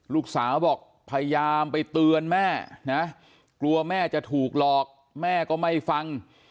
ลูกสาวบอกพยายามไปเตือนแม่นะกลัวแม่จะถูกหลอกแม่ก็ไม่ฟัง